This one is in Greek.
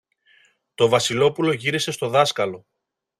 Το Βασιλόπουλο γύρισε στο δάσκαλο.